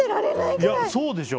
いやそうでしょ？